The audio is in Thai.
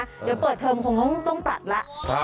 เดี๋ยวเปิดเทอมคงต้องตัดแล้ว